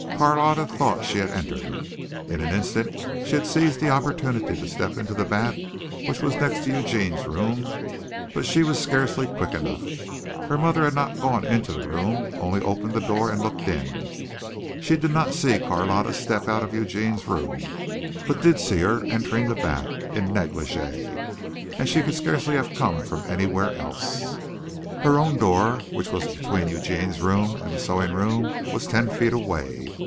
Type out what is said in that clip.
Carlotta thought she had entered. In an instant she had seized the opportunity to step into the bath which was next to Eugene's room but she was scarcely quick enough. Her mother had not gone into the room only opened the door and looked in. She did not see Carlotta step out of Eugene's room, but she did see her entering the bath, in negligee, and she could scarcely have come from anywhere else. Her own door which was between Eugene's room and the sewing room was ten feet away.